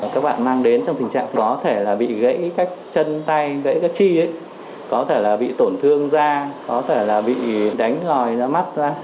các bạn mang đến trong tình trạng có thể là bị gãy các chân tay gãy các chi có thể là bị tổn thương da có thể là bị đánh hòi nó mắt ra